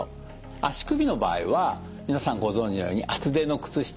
足首の場合は皆さんご存じのように厚手の靴下を履く。